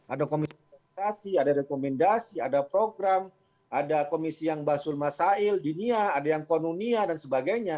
ada komisionerisasi ada rekomendasi ada program ada komisi yang basul masail dinia ada yang konunia dan sebagainya